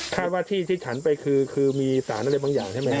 ว่าที่ที่ฉันไปคือมีสารอะไรบางอย่างใช่ไหมครับ